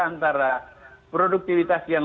antara produktivitas yang